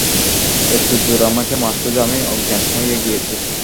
এত্তো জোরে আমাকে মারছ যে আমি অজ্ঞান হয়ে গিয়েছি।